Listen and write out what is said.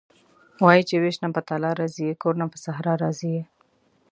وايي چې وېش نه په تالا راضي یې کور نه په صحرا راضي یې..